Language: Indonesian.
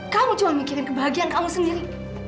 kamu cuma mikirin kebahagiaan kamu sendiri